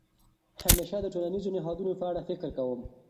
همېشه د ټولنیزو نهادونو په اړه فکر کوم.